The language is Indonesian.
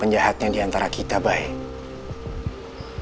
berarti haku ada kesalahan sama habibin